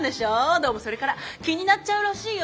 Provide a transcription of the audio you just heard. どうもそれから気になっちゃうらしいよ。